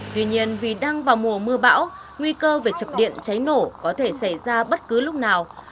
tuy nhiên vì đang vào mùa mưa bão nguy cơ về chập điện cháy nổ có thể xảy ra bất cứ lúc nào